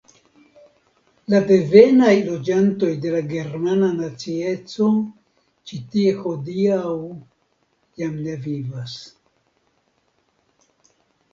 La devenaj loĝantoj de la germana nacieco ĉi tie hodiaŭ jam ne vivas.